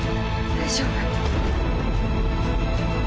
大丈夫。